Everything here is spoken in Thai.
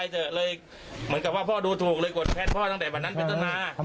เหมือนกับว่าพ่อดูถูกเลยกวนแพทย์พ่อตั้งแต่วันนั้นไปต้นมา